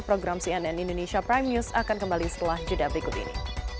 program cnn indonesia prime news akan kembali setelah jeda berikut ini